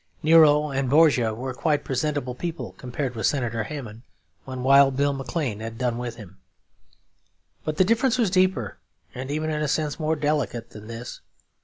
Nero and Borgia were quite presentable people compared with Senator Hamon when Wild Bill McLean had done with him. But the difference was deeper, and even in a sense more delicate than this.